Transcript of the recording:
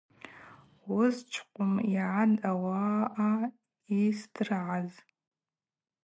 Уызчвхъвым йгӏатӏ ауаъа йсдыргӏаз.